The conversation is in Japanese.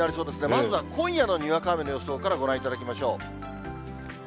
まずは今夜のにわか雨の予想からご覧いただきましょう。